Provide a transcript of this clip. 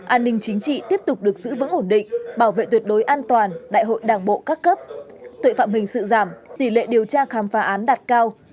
an ninh chính trị tiếp tục được giữ vững ổn định bảo vệ tuyệt đối an toàn đại hội đảng bộ các cấp tội phạm hình sự giảm tỷ lệ điều tra khám phá án đạt cao